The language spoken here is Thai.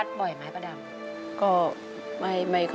ท่านก็ให้